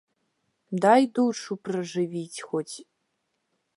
Дай душу пражывіць хоць.